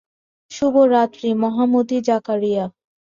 শুভ রাত্রি মহামতি জাকারিয়া।